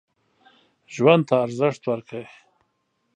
ژوند ته ارزښت ورکړئ.